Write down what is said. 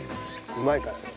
うまいからね。